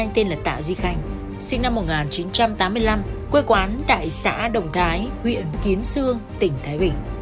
tìm xe khách bắt xe bỏ trốn về thái bình